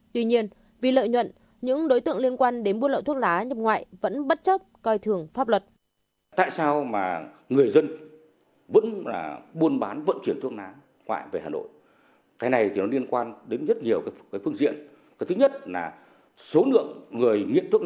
tuy nhiên vì lợi nhuận những đối tượng liên quan đến buôn lậu thuốc lá nhập ngoại